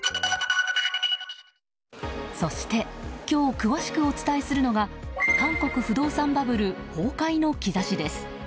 そして今日詳しくお伝えするのが韓国不動産バブル崩壊の兆しです。